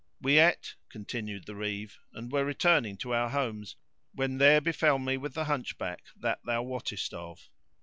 We ate (continued the Reeve), and were returning to our homes when there befell me with the Hunchback that thou wottest of.